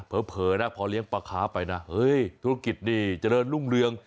เผลอนะพอเลี้ยงปลาค้าไปนะเฮ้ยธุรกิจนี่เจริญรุ่งเรือง